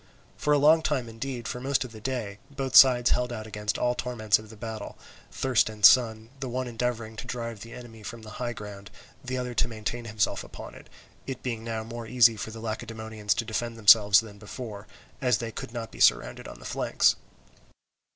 For a long time, indeed for most of the day, both sides held out against all the torments of the battle, thirst, and sun, the one endeavouring to drive the enemy from the high ground, the other to maintain himself upon it, it being now more easy for the Lacedaemonians to defend themselves than before, as they could not be surrounded on the flanks.